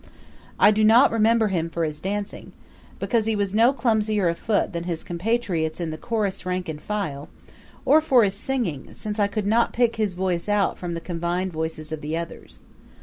I do not remember him for his dancing, because he was no clumsier of foot than his compatriots in the chorus rank and file; or for his singing, since I could not pick his voice out from the combined voices of the others.